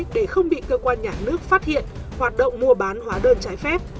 để không bị cơ quan nhà nước phát hiện hoạt động mua bán hóa đơn trái phép